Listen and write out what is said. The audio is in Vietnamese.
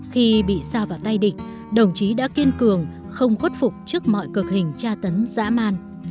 khi bị xa vào tay địch đồng chí đã kiên cường không khuất phục trước mọi cực hình tra tấn dã man